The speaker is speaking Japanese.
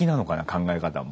考え方も。